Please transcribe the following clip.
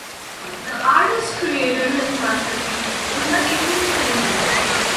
The artist created his masterpiece in the eighteenth century.